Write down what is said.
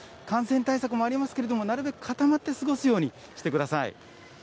感染対策もありますけれども、なるべく固まって過ごすようにしてください。